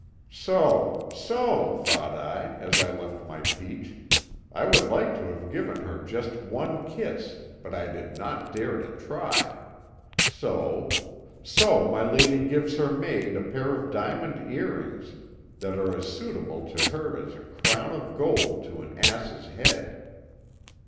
So, so! thought I, as I left my peach I would like to have given her just one kiss, but I did not dare to try so, so! my lady gives her maid a pair of diamond earrings that are as suitable to her as a crown of gold to an ass's head.